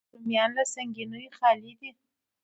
رومیان له سنګینیو خالي دي